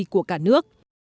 của cả nước